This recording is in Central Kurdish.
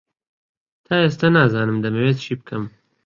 تا ئێستا نازانم دەمەوێت چی بکەم.